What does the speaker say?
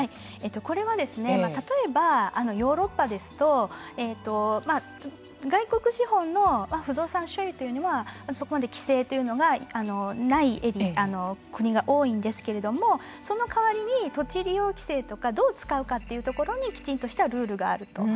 これは例えばヨーロッパですと外国資本の不動産収入というのはそこまで規制がない国が多いんですけれどもその代わりに土地利用規制とかどう使うかというところにきちんとしたルールがあると。